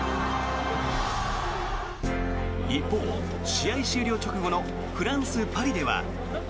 一方、試合終了直後のフランス・パリでは。